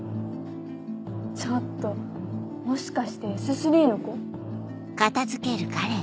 ちょっともしかしてＳ３の子？